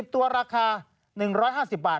ตัวราคา๑๕๐บาท